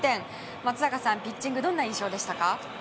松坂さん、ピッチングどんな印象でしたか？